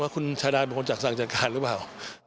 ว่าคุณทราดาเดียวคุณจะจัดการหรือเปล่า